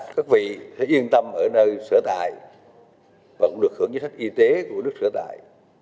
các vị hãy yên tâm ở nơi sở tại và cũng được hưởng chức sách y tế của nước sở tại